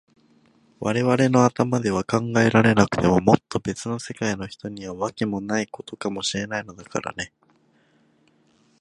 われわれの頭では考えられなくても、もっとべつの世界の人には、わけもないことかもしれないのだからね。